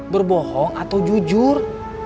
berbohong atau jujur